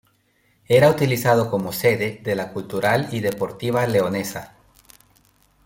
Era utilizado como sede de la Cultural y Deportiva Leonesa.